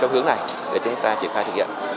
theo hướng này để chúng ta triển khai thực hiện